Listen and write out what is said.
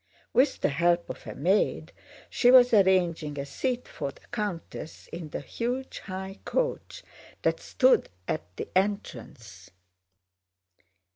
With the help of a maid she was arranging a seat for the countess in the huge high coach that stood at the entrance.